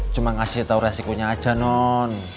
cuma ngasih tau resikonya aja non